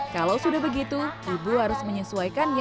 kalau sudah begitu ibu harus menyesuaikan dirinya